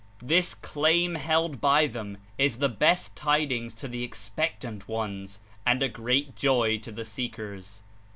This claim, held by them, is the best tidings to the expectant ones and a great joy to the seekers.